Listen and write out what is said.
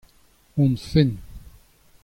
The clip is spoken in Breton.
hon fenn.